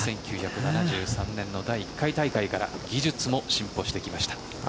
１９７３年の第１回大会から技術も進歩してきました。